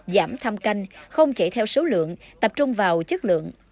giảm tham canh không chạy theo số lượng tập trung vào chất lượng